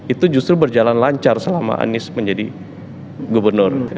itu justru berjalan lancar selama anies menjadi gubernur